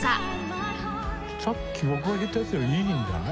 さっき僕が弾いたやつよりいいんじゃない？